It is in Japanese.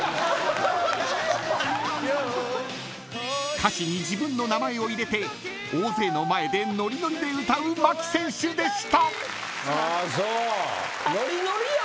［歌詞に自分の名前を入れて大勢の前でノリノリで歌う牧選手でした］